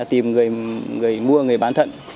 tìm người mua người bán thận